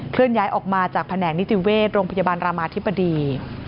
เลื่อนย้ายออกมาจากแผนกนิติเวชโรงพยาบาลรามาธิบดี